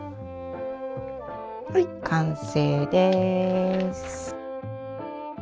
はい完成です！